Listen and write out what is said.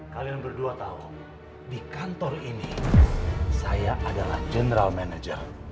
kalian berdua tahu di kantor ini saya adalah general manager